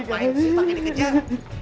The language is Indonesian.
ngapain sih pake dikejar